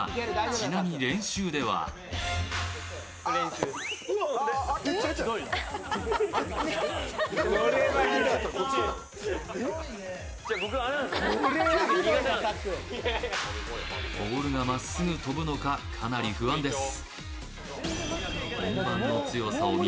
ちなみに、練習ではボールがまっすぐ飛ぶのかかなり不安です。